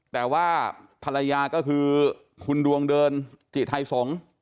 แต่ว่าภรรยาก็คือคุณดวงเดินจิไทยสงฆ์